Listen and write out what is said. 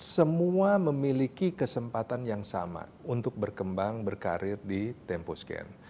semua memiliki kesempatan yang sama untuk berkembang berkarir di tempo scan